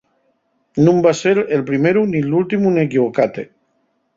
Nun vas ser el primeru nin l'últimu n'enquivocate.